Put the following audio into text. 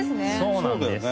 そうなんです。